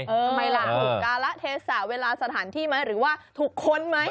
ทำไมล่ะถูกการะเทศะเวลาสถานที่ไหมหรือว่าถูกค้นไหม